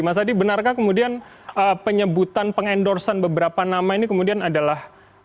mas adi benarkah kemudian penyebutan pengendorsan beberapa nama ini kemudian adalah